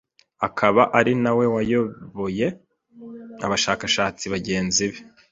akaba ari nawe wayoboye abashakashatsi bagenzi be